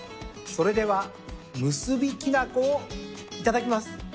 それでは結きなこをいただきます。